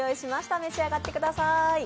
召し上がってください。